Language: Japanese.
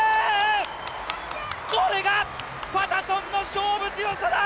これがパタソンの勝負強さだ！